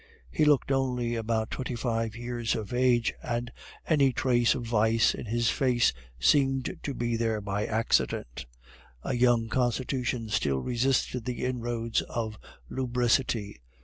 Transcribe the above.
He looked only about twenty five years of age, and any trace of vice in his face seemed to be there by accident. A young constitution still resisted the inroads of lubricity.